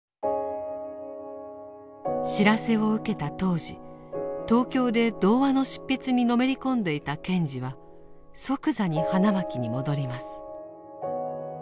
知らせを受けた当時東京で童話の執筆にのめり込んでいた賢治は即座に花巻に戻ります。